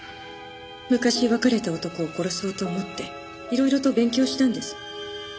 昔別れた男を殺そうと思って色々と勉強したんです。